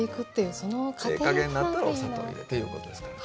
ええ加減になったらお砂糖入れていうことですから。